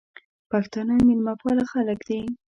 پښتانه مېلمه پاله خلګ دي.